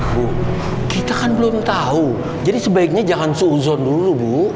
bu kita kan belum tahu jadi sebaiknya jangan seuzon dulu bu